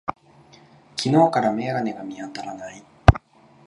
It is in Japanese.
昨日から眼鏡が見当たらない。